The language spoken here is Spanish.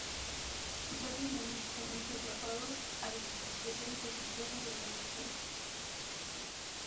Son cerdos magníficamente adaptados al especial ecosistema de la dehesa.